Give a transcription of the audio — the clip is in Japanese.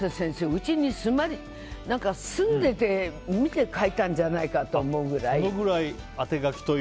うちに住んでいて見て書いたんじゃないかと思うぐらい。